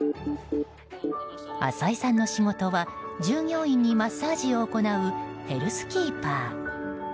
浅井さんの仕事は従業員にマッサージを行うヘルスキーパー。